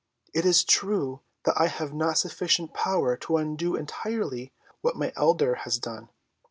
It is true that I have not sufficient power to undo entirely what my elder has done.